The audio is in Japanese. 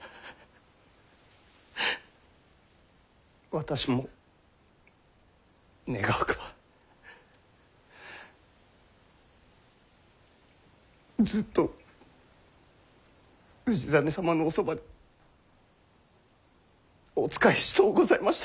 私も願わくばずっと氏真様のおそばでお仕えしとうございました。